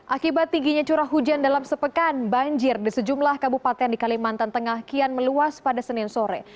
akibat tingginya curah hujan dalam sepekan banjir di sejumlah kabupaten di kalimantan tengah kian meluas pada senin sore